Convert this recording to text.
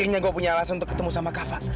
kayaknya gue punya alasan untuk ketemu sama kava